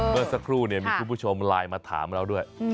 เมื่อสักครู่เนี่ยผู้ผู้ชมลายมาถามเราด้วย